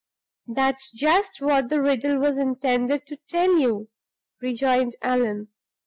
"That's just what the riddle was intended to tell you!" rejoined Allan.